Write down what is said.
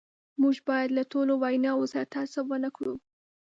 موږ باید له ټولو ویناوو سره تعصب ونه کړو.